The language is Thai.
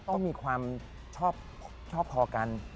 ต้องมีความชอบพอกัน